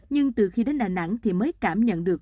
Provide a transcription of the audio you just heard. nhưng từ khi đến đà nẵng thì mới cảm nhận được